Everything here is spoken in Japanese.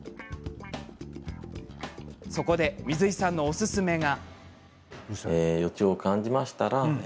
そこで、水井さんのおすすめが。